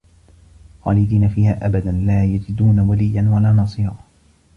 خالِدينَ فيها أَبَدًا لا يَجِدونَ وَلِيًّا وَلا نَصيرًا